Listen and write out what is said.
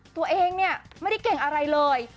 ตัวเองเนี่ยไม่ได้เก่งอะไรเลย